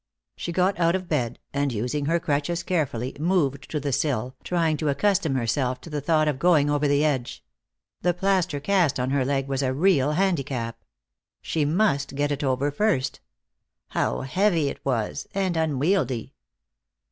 She got out of bed, and using her crutches carefully moved to the sill, trying to accustom herself to the thought of going over the edge. The plaster cast on her leg was a real handicap. She must get it over first. How heavy it was, and unwieldy!